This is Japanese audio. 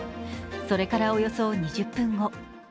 それからおよそ２０分後。